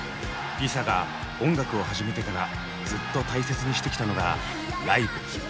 ＬｉＳＡが音楽を始めてからずっと大切にしてきたのがライブ。